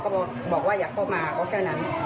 พ่อก็บอกอยากเข้ามาเพราะแค่นั้น